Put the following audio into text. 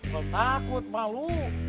kamu takut malu